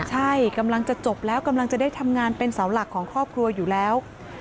ใช่กำลังจะจบแล้วกำลังจะได้ทำงานเป็นเสาหลักของครอบครัวอยู่แล้ว